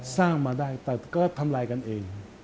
สร้างมาได้แต่ก็ทำลายกันเอง